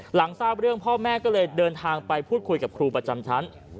หลังทราบเรื่องพ่อแม่ก็เลยเดินทางไปพูดคุยกับครูประจำชั้น